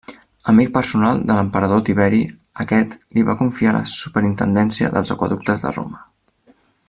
Amic personal de l'emperador Tiberi aquest li va confiar la superintendència dels aqüeductes de Roma.